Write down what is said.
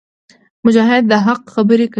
مجاهد د حق خبرې کوي.